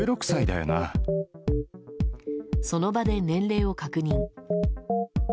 その場で年齢を確認。